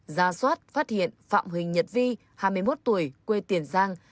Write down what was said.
ra soát phát hiện phạm huỳnh nhật vi hai mươi một tuổi quê tiền giang